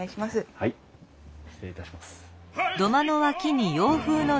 はい失礼いたします。